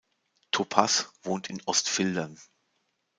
Topas wohnt in Ostfildern.